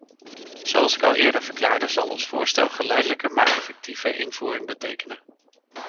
Zoals ik al eerder verklaarde, zal ons voorstel geleidelijke maar effectieve invoering betekenen.